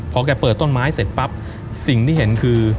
พอแกเปิดต้นไม้เสร็จปั๊บสิ่งที่เห็นคือ